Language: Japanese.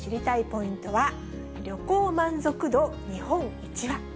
ポイントは、旅行満足度日本一は？